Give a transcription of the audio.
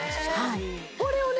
これをね